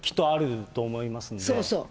そうそう。